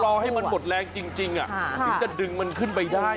ต้องรอให้มันหมดแรงจริงอ่ะถึงจะดึงมันขึ้นไปได้อ่ะ